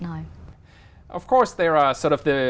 và một chút về sức khỏe